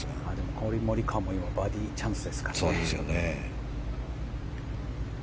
コリン・モリカワもバーディーチャンスですからね。